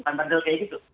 bukan benar benar kayak gitu